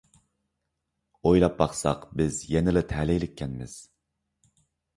ئويلاپ باقساق بىز يەنىلا تەلەيلىككەنمىز.